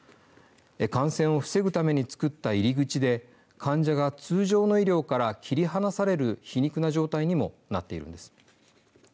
感染を防ぐために作った入り口で患者が通常の医療から切り離される皮肉な状態にもなっているんです。